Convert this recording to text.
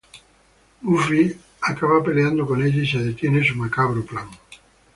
Buffy acaba peleando con ella y detiene su macabro plan.